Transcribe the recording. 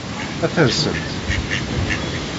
Ad tersemt?